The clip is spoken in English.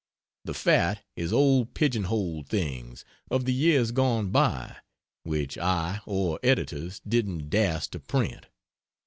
The "fat" is old pigeon holed things, of the years gone by, which I or editors didn't das't to print.